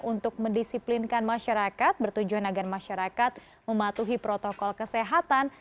untuk mendisiplinkan masyarakat bertujuan agar masyarakat mematuhi protokol kesehatan